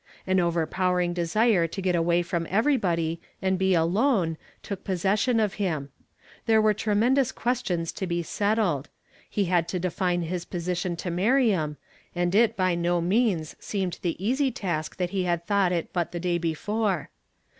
An overpow ering desire to get away from everybody, and be alone, took possession of him. There were tre mendous questions to be settled ; he had to define his position to Miriam, and it by no means seemed the easy task that he had thought it but the day before.